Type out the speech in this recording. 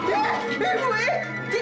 eh ibu i